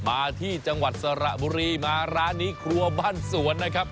มาที่จังหวัดสระบุรีมาร้านนี้ครัวบ้านสวนนะครับ